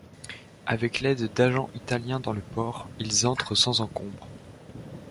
Avec l'aide d'agents italiens dans le port, ils entrent sans encombre.